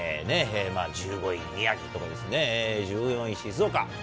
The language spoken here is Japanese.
１５位宮城とかですね、１４位静岡。